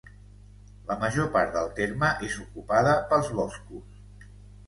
La major part del terme és ocupada pels boscos.